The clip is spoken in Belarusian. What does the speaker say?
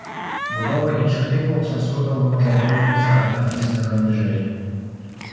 Будова іншых тыпаў сасудаў можа адрознівацца ад апісанага ніжэй.